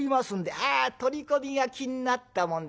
「ああ取り込みが気になったもんで。